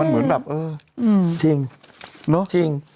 มันเหมือนแบบเออจริง